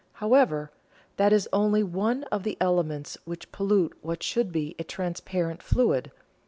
However, that is only one of the elements which pollute what should be a transparent fluid.